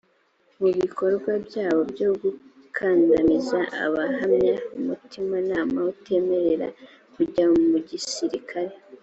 mu bikorwa byabo byo gukandamiza abahamya umutimanama utemerera kujya mu gisirikare